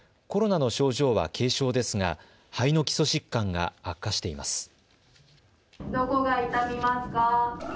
コロナの症状は軽症ですが肺の基礎疾患が悪化しています。